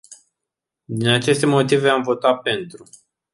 Din aceste motive, am votat pentru.